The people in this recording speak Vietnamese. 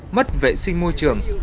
mất vệ sinh môi trường